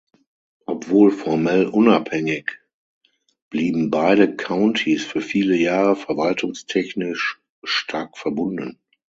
Obwohl formell unabhängig, blieben beide Countys für viele Jahre verwaltungstechnisch stark verbunden.